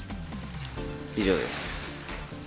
以上です。